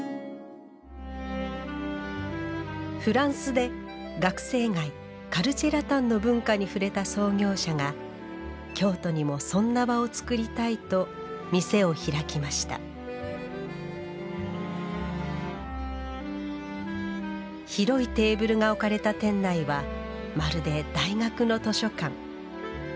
フランスで学生街カルチェラタンの文化に触れた創業者が京都にもそんな場を作りたいと店を開きました広いテーブルが置かれた店内はまるで大学の図書館。